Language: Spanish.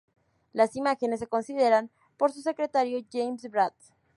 Las imágenes se consideran por su secretario James Brand.